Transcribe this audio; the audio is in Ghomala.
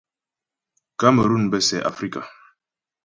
Kamerun bə́ sɛ Afrika.